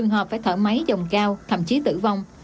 họ phải thở máy dòng gao thậm chí tử vong